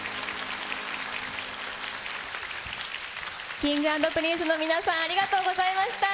Ｋｉｎｇ＆Ｐｒｉｎｃｅの皆さん、ありがとうございました。